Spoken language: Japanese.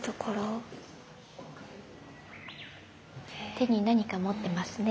手に何か持ってますね。